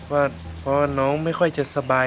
เพราะว่าน้องไม่ค่อยจะสบาย